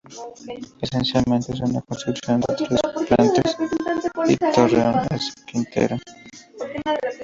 Esencialmente, es una construcción de tres plantas y un torreón esquinero.